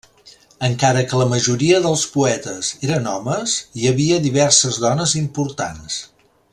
Encara que la majoria dels poetes eren homes, hi havia diverses dones importants.